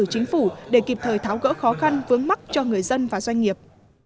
phó thủ tướng yêu cầu cán bộ văn phòng chính phủ để kịp thời tháo gỡ khó khăn vướng mắt cho người dân và doanh nghiệp